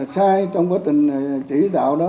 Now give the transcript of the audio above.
sai trong quá trình chỉ đạo đó